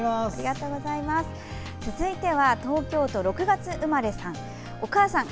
続いては、東京都６月生まれさん。